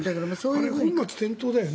本末転倒だよね。